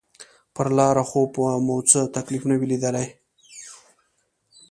پر لاره خو به مو څه تکليف نه وي ليدلى.